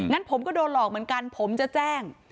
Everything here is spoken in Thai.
งั้นผมก็โดนหลอกเหมือนกันผมจะแจ้ง